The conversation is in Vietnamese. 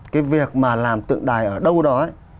cái việc mà làm tượng đài ở đâu đó